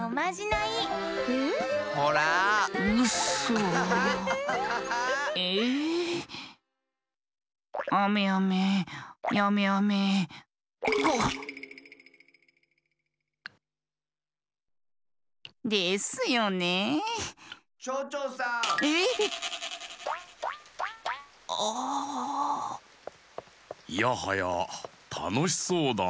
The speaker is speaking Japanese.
いやはやたのしそうだなあ。